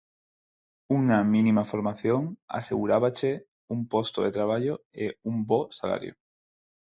Unha mínima formación asegurábache un posto de traballo e un bo salario.